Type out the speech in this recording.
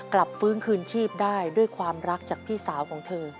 กลับฟื้นคืนชีพได้ด้วยความรักจากพี่สาวของเธอ